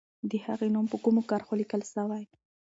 د هغې نوم په کومو کرښو لیکل سوی؟